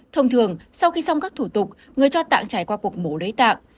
thông thường sau khi xong các thủ tục người cho tạng trải qua cuộc mổ lấy tạng